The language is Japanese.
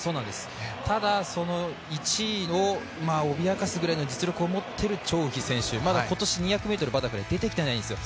ただその１位を脅かすぐらいの実力を持っている張雨霏選手、まだ今年２００ｍバタフライ出てきてないんですよ。